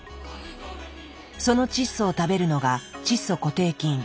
その窒素を食べるのが窒素固定菌。